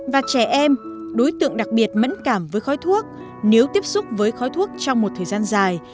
và trẻ em đối tượng đặc biệt mẫn cảm với khói thuốc nếu tiếp xúc với khói thuốc trong một thời gian dài